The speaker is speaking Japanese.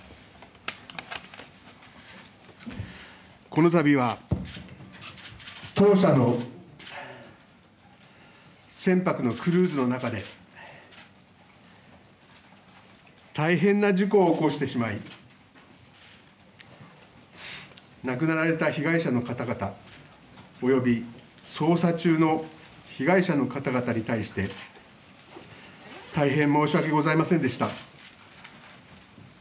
このたびは当社の船舶のクルーズの中で大変な事故を起こしてしまい亡くなられた被害者の方々および、捜査中の被害者の方々に対して大変申し訳ございませんでした。